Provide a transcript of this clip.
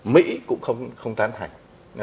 mỹ cũng không tán hành